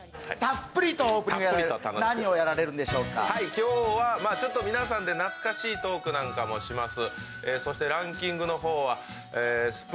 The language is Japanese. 今日は皆さんで懐かしいトークなんかもします。